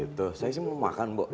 gitu saya sih mau makan mbok